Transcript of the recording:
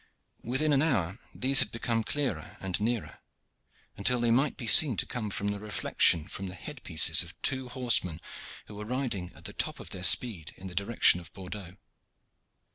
Within an hour these had become clearer and nearer, until they might be seen to come from the reflection from the head pieces of two horsemen who were riding at the top of their speed in the direction of Bordeaux.